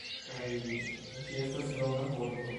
Kaj... ĝi estas longa vorto.